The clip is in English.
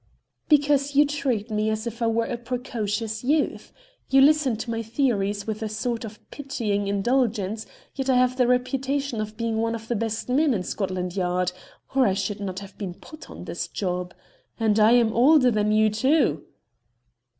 "Because you treat me as if I were a precocious youth. You listen to my theories with a sort of pitying indulgence, yet I have the reputation of being one of the best men in Scotland Yard, or I should not have been put on this job. And I am older than you, too."